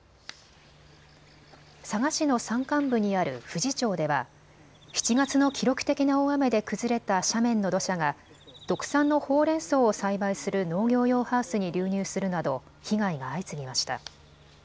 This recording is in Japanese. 佐賀市の山間部にある富士町では７月の記録的な大雨で崩れた斜面の土砂が特産のほうれんそうを栽培する農業用ハウスに流入するなど被害が相次ぎました。